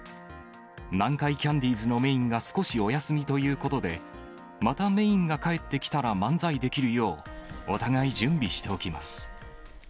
南海キャンディーズのメインが少しお休みということで、またメインが帰ってきたら、漫才できるよう、お互い準備しておきます。